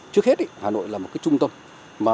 trước hết hà nội là một cái trung tâm